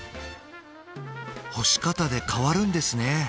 干し方で変わるんですね